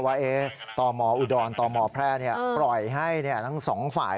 ว่าตมอุดรตมแพร่ปล่อยให้ทั้งสองฝ่าย